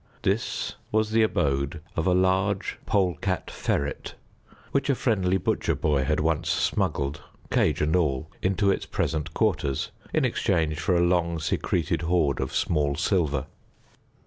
This was the abode of a large polecat ferret, which a friendly butcher boy had once smuggled, cage and all, into its present quarters, in exchange for a long secreted hoard of small silver.